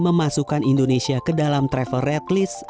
memasukkan indonesia ke dalam travel red list